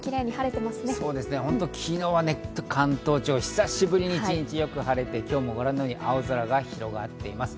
そうですね、昨日は関東地方、久しぶりに一日よく晴れて、今日もご覧のように青空が広がっています。